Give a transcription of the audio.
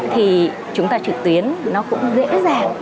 thì chúng ta trực tuyến nó cũng dễ dàng